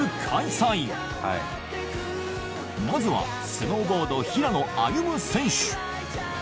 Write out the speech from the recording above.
まずはスノーボード平野歩夢選手。